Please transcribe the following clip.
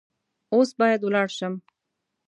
اوس باید ولاړ شم .